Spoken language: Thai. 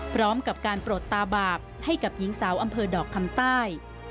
พร้อมกับการโปรดตาบาปให้กับหญิงสาวอำเภอดอกคำใต้